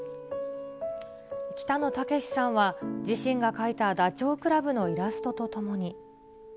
北野武さんは、自身が描いたダチョウ倶楽部のイラストとともに。